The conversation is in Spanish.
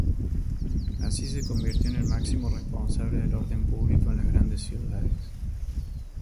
Así se convirtió en el máximo responsable del orden público en las grandes ciudades.